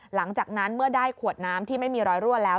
หลังจากนั้นเมื่อได้ขวดน้ำที่ไม่มีรอยรั่วแล้ว